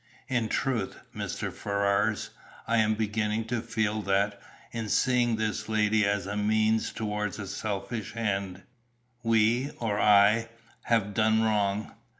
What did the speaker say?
In truth, Mr. Ferrars, I am beginning to feel that, in seeing this lady as a means toward a selfish end, we, or I, have done wrong.